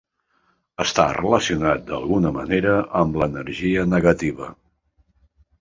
Està relacionat d'alguna manera amb l'energia negativa.